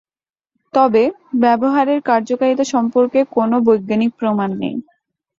তবে, ব্যবহারের কার্যকারিতা সম্পর্কে কোনো বৈজ্ঞানিক প্রমাণ নেই।